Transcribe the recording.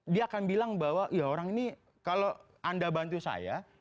dia akan bilang bahwa ya orang ini kalau anda bantu saya